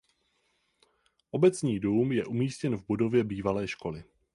Obecní dům je umístěn v budově bývalé školy.